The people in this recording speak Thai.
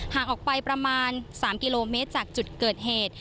หากออกไปประมาณ๓กิโลเมตรจากจุดเกิดเหตุ